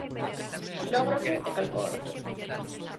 Xilógrafo e calcógrafo.